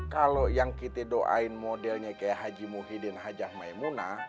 kalau yang kita doain modelnya kayak haji muhyiddin hajah maimuna